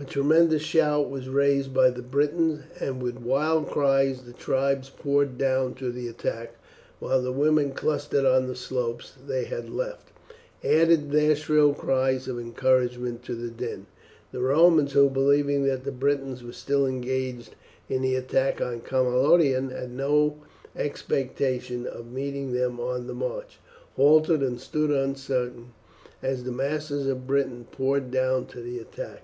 A tremendous shout was raised by the Britons, and with wild cries the tribes poured down to the attack, while the women, clustered on the slopes they had left, added their shrill cries of encouragement to the din. The Romans, who, believing that the Britons were still engaged in the attack on Camalodunum, had no expectation of meeting them on the march, halted and stood uncertain as the masses of Britons poured down to the attack.